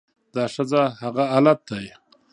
دا ښځه هغه حالت دى